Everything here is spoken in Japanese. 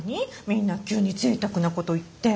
みんな急にぜいたくなこと言って。